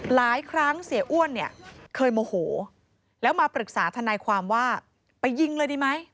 หลายครั้งเสียอ้วนเนี่ยเคยโมโหแล้วมาปรึกษาทนายความว่าไปยิงเลยดีไหม